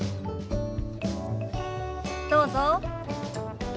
どうぞ。